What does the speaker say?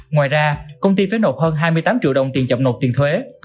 ngoài ra công ty phải nộp hơn hai mươi tám triệu đồng tiền chậm nộp tiền thuế